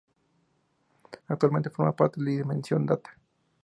Actualmente forma parte del Dimension Data.